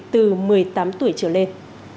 từ một mươi tám tuổi trở lên